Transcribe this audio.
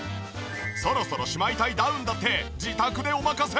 そろそろしまいたいダウンだって自宅でお任せ！